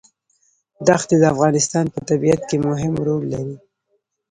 دښتې د افغانستان په طبیعت کې مهم رول لري.